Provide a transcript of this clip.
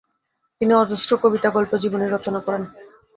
তিনি অজস্র কবিতা, গল্প, জীবনী রচনা করেন।